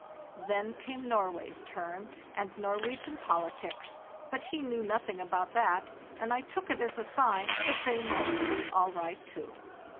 Then came Norway's turn, and Norwegian poll tics; but he knew nothing about that, and I took it as a sign that they must be all right too.